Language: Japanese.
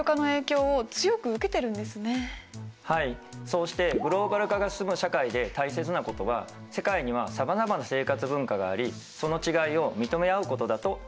そうしてグローバル化が進む社会で大切なことは世界にはさまざまな生活文化がありその違いを認め合うことだと思います。